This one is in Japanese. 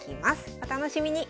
お楽しみに。